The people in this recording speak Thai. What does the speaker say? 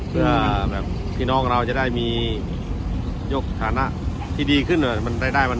เพื่อแบบพี่น้องเราจะได้มียกฐานะที่ดีขึ้นหน่อยมันรายได้มัน